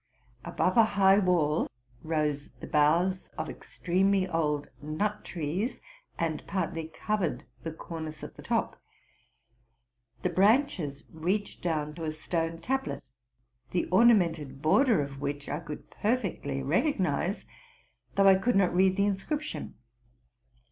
Above a high wall rose the boughs of extremely old nut trees, and partly covered the cornice at the top. The branches reached down to a stone tablet, the ornamented border of which 1 could perfectly recognize, though I could not read the in scription.